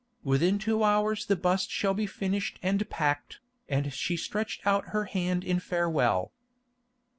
Within two hours the bust shall be finished and packed," and she stretched out her hand in farewell.